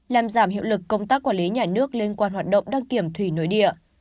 làm giảm hiệu lực công tác quản lý nhà nước liên quan hoạt động đăng kiểm thủy nội địa